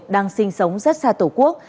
đang sinh sống rất xa tổ quốc